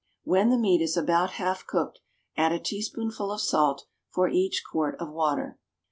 When the meat is about half cooked, add a teaspoonful of salt for each quart of water.